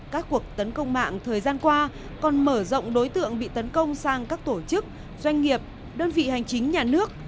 các cuộc tấn công mạng thời gian qua còn mở rộng đối tượng bị tấn công sang các tổ chức doanh nghiệp đơn vị hành chính nhà nước